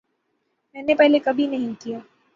میں نے پہلے کبھی نہیں کیا